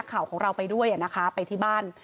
ข่าวของเราไปด้วยนะคะไปที่บ้าน